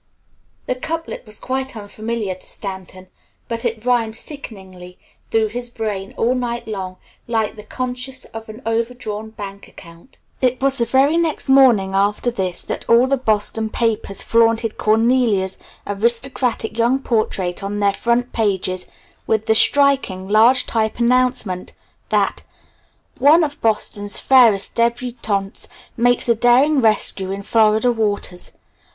The couplet was quite unfamiliar to Stanton, but it rhymed sickeningly through his brain all night long like the consciousness of an over drawn bank account. It was the very next morning after this that all the Boston papers flaunted Cornelia's aristocratic young portrait on their front pages with the striking, large type announcement that "One of Boston's Fairest Debutantes Makes a Daring Rescue in Florida waters.